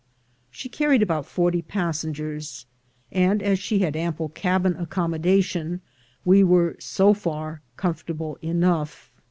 She carried about forty passengers; and as she had ample cabin accommodation, we v%ere so far comfortable enough.